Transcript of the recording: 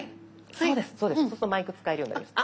そうするとマイク使えるようになりました。